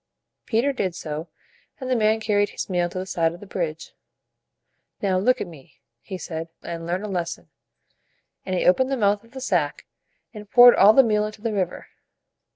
Peter did so, and the man carried his meal to the side of the bridge. "Now look at me," he said, "and learn a lesson." And he opened the mouth of the sack, and poured all the meal into the river.